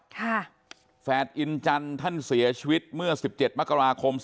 ค่ะแฝดอินจันทร์ท่านเสียชวิตเมื่อ๑๗มกราคม